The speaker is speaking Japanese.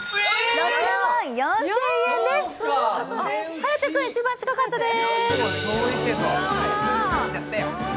颯君、一番近かったです。